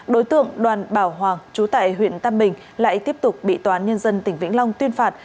đối tượng đoàn bảo hoàng chú tại huyện tâm bình lại tiếp tục bị tòa án nhân dân tỉnh vĩnh long tuyên phạt